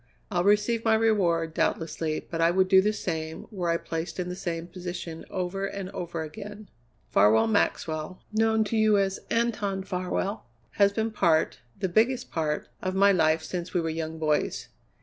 I'll receive my reward, doubtlessly, but I would do the same, were I placed in the same position, over and over again. "Farwell Maxwell, known to you as Anton Farwell, has been part, the biggest part, of my life since we were young boys.